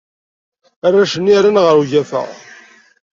Arrac-nni rran ɣer ugafa.